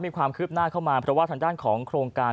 มีความคืบหน้าเข้ามาเพราะว่าทางด้านของโครงการ